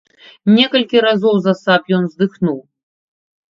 Некалькі разоў засаб ён уздыхнуў.